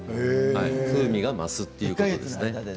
風味が増すという感じですね。